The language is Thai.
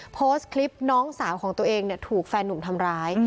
โพสต์คลิปน้องสาวของตัวเองถูกแฟนหนุ่มทำร้าย